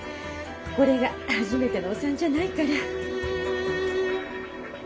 これが初めてのお産じゃないから。